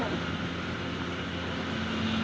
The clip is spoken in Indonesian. melambangi ustaz timur di halen